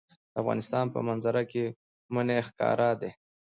د افغانستان په منظره کې منی ښکاره ده.